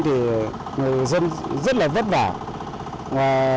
thì người dân rất là vất vả